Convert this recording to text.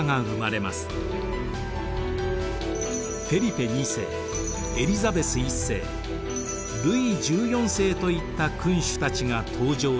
フェリペ２世エリザベス１世ルイ１４世といった君主たちが登場した時代。